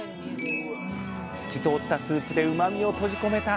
透き通ったスープでうまみを閉じ込めたあ